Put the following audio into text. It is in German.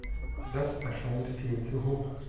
Das erscheint viel zu hoch.